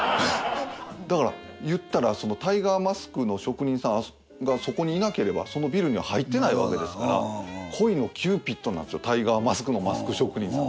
だから言ったらそのタイガーマスクの職人さんがそこにいなければそのビルには入ってないわけですから恋のキューピッドなんですよタイガーマスクのマスク職人さん。